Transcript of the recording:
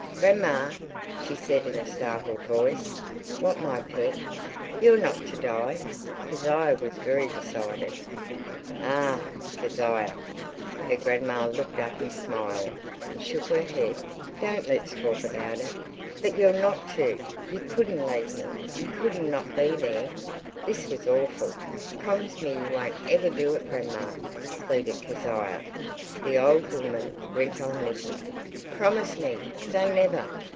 "Grandma," she said in a startled voice. "What, my pet!" "You're not to die." Kezia was very decided. "Ah, Kezia"—her grandma looked up and smiled and shook her head—"don't let's talk about it." "But you're not to. You couldn't leave me. You couldn't not be there." This was awful. "Promise me you won't ever do it, grandma," pleaded Kezia. The old woman went on knitting. "Promise me! Say never!"